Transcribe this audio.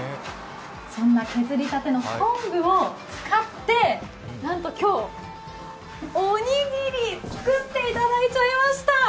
そんな削りたての昆布を使ってなんと今日、おにぎり作っていただいちゃいました。